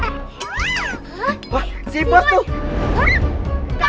ibu amat amat sekali